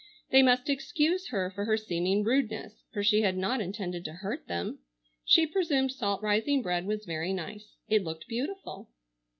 They must excuse her for her seeming rudeness, for she had not intended to hurt them. She presumed salt rising bread was very nice; it looked beautiful.